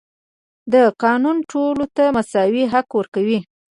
دا قانون ټولو ته مساوي حق ورکوي.